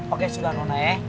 oke sudah nona ya